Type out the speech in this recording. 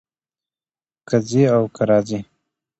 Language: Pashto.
کۀ ځي او کۀ راځي